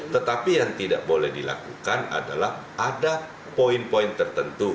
tetapi yang tidak boleh dilakukan adalah ada poin poin tertentu